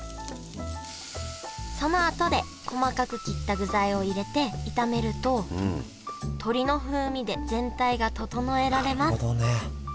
そのあとで細かく切った具材を入れて炒めると鶏の風味で全体が調えられますなるほどね。